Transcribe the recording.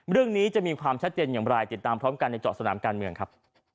เรื่องนี้จะมีความชัดเจนอย่างไรติดตามพร้อมกันในเจาะสนามการเมืองครับ